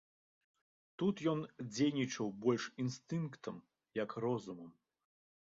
Тут ён дзейнічаў больш інстынктам, як розумам.